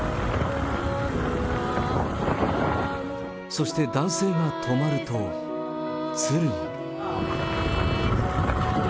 そして男性が止まると、鶴も。